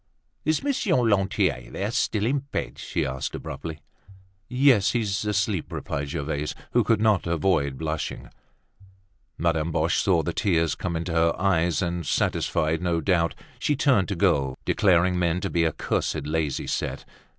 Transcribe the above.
"Is Monsieur Lantier, then, still in bed?" she asked abruptly. "Yes, he's asleep," replied Gervaise, who could not avoid blushing. Madame Boche saw the tears come into her eyes; and, satisfied no doubt, she turned to go, declaring men to be a cursed, lazy set.